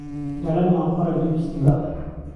دەڵێن ماڵپەڕێک درووست بکە